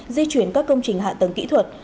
di chuyển các công trình hạ tầng kỹ thuật